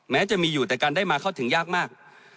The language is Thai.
แม้จะมีอยู่แต่การได้มาเข้าถึงยากมาก